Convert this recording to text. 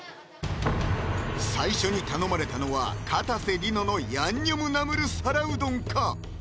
最初に頼まれたのはかたせ梨乃のヤンニョムナムル皿うどんか？